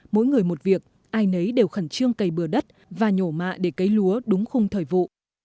mỗi người một việc ai nấy đều khẩn trương cầy bừa đất và nhổ mạ để cấy lúa đúng khung thời vụ